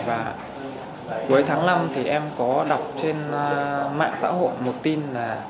và cuối tháng năm thì em có đọc trên mạng xã hội một tin là